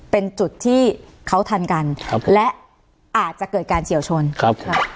เป็นจุดที่เขาทันกันครับและอาจจะเกิดการเฉียวชนครับครับ